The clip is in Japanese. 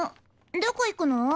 どこ行くの？